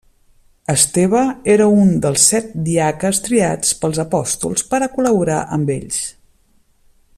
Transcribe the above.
Esteve era un dels set diaques triats pels apòstols per a col·laborar amb ells.